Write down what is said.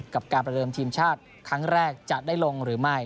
กับการประเดิมทีมชาติครั้งแรกจะได้ลงหรือไม่